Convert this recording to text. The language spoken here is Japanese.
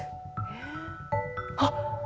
あっ！